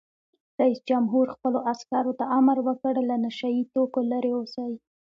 رئیس جمهور خپلو عسکرو ته امر وکړ؛ له نشه یي توکو لرې اوسئ!